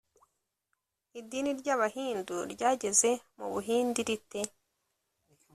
idini ry’abahindu ryageze mu buhindi rite?